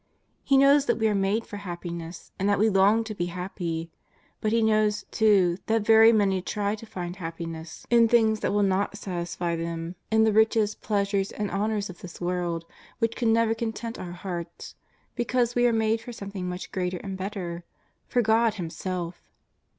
He knows that we are made for happiness, and that we long to be happy. But He knows, too, that very many try to find bappi 200 Jtjstrs OP nazaeetS. ^01 ness in things that will not satisfy them, in the riches, pleasures, and honours of this world which can never content our hearts, because we are made for something much greater and better — for God Himself.